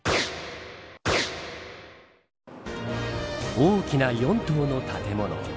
大きな４棟の建物。